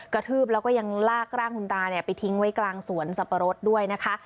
ทืบแล้วก็ยังลากร่างคุณตาไปทิ้งไว้กลางสวนสับปะรดด้วยนะคะ